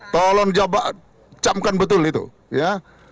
tolong jawab camkan betul itu ya